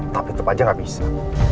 tapi tetap aja gak bisa